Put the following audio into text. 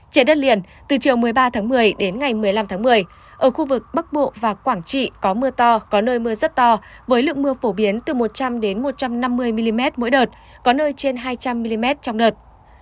trên đất liền từ chiều một mươi ba tháng một mươi đến ngày một mươi năm tháng một mươi ở khu vực bắc bộ và quảng trị có mưa to có nơi mưa rất to với lượng mưa phổ biến từ một trăm linh một trăm năm mươi mm mỗi đợt có nơi trên hai trăm linh mm trong đợt